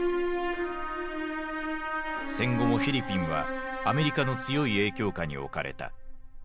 戦後もフィリピンはアメリカの強い影響下に置かれた。